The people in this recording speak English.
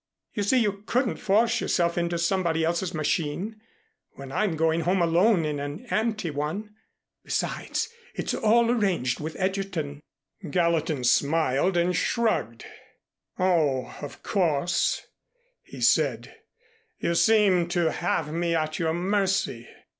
You see you couldn't force yourself into somebody else's machine, when I'm going home alone in an empty one. Besides, it's all arranged with Egerton." Gallatin smiled and shrugged. "Oh, of course," he said, "you seem to have me at your mercy."